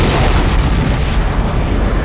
tidak ada yang lebih sakti dariku